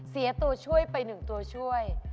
เสียตัวช่วยไป๑ตัวช่วย